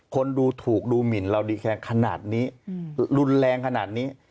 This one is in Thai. คนดูถูกดูหมินเราดีแค่ขนาดนี้รุนแรงขนาดนี้